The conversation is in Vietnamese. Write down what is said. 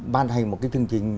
ban hành một cái chương trình